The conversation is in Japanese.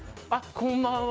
こんばんは。